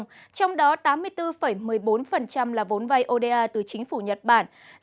với tổng mức đầu tư hơn một mươi sáu hai trăm chín mươi ba tỷ đồng trong đó tám mươi bốn một mươi bốn là vốn vay oda từ chính phủ nhật bản